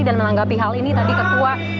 dan menanggapi hal ini tadi ketua